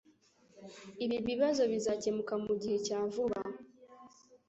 Ibi bibazo bizakemuka mugihe cya vuba